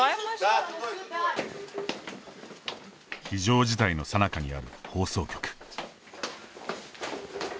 非常事態のさなかにある放送局。